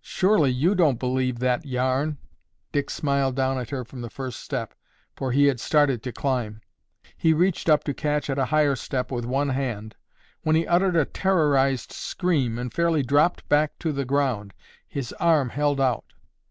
"Surely you don't believe that yarn!" Dick smiled down at her from the first step, for he had started to climb. He reached up to catch at a higher step with one hand when he uttered a terrorized scream and fairly dropped back to the ground, his arm held out.